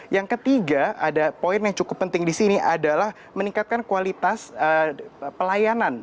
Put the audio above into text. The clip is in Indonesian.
yang ketiga ada poin yang cukup penting di sini adalah meningkatkan kualitas pelayanan